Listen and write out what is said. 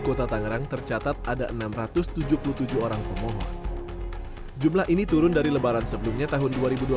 kota tangerang tercatat ada enam ratus tujuh puluh tujuh orang pemohon jumlah ini turun dari lebaran sebelumnya tahun